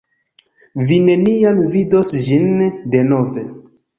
Vi neniam vidos ĝin denove.